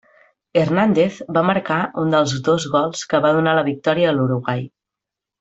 Hernández va marcar un dels dos gols que va donar la victòria a l'Uruguai.